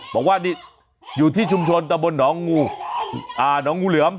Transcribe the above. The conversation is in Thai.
บอกว่านี่อยู่ที่ชุมชนตำบลหนองงูเหลือม